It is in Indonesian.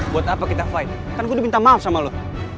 buat apa kita fight kan gue udah minta maaf sama lo